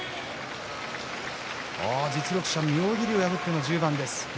実力者妙義龍を破っての１０番です。